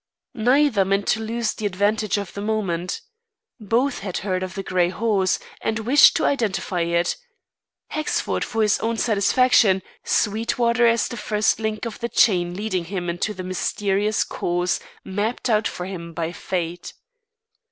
Neither meant to lose the advantage of the moment. Both had heard of the grey horse and wished to identify it; Hexford for his own satisfaction, Sweetwater as the first link of the chain leading him into the mysterious course mapped out for him by fate.